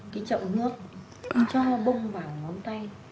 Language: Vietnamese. cái chậm nước cho bông vào ngón tay